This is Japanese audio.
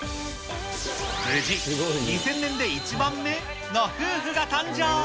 無事、２０００年で１番目？の夫婦が誕生。